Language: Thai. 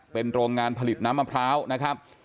เป็นโรงงานผลิตน้ำมะพร้าวนะครับ